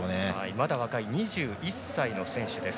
まだ若い２１歳の選手です。